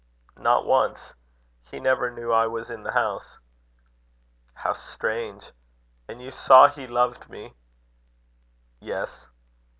"Not once. He never knew I was in the house." "How strange! And you saw he loved me?" "Yes."